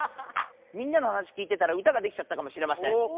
みんなの話聞いてたら歌ができちゃったかもしれません。